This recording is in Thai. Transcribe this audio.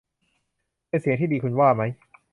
เป็นเสียงที่ดี คุณว่าไหม